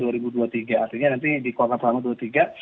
artinya nanti di kuartal pekanama dua ribu dua puluh tiga